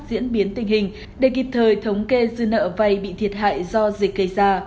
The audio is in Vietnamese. diễn biến tình hình để kịp thời thống kê dư nợ vay bị thiệt hại do dịch gây ra